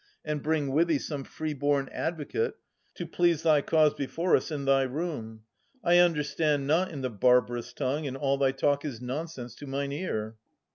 And bring with thee some freeborn advocate To plead thy cause before us in thy room. I understand not in the barbarous tongue. And all thy talk is nonsense to mine ear. Ch.